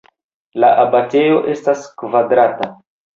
La abatejo estas kvadrata.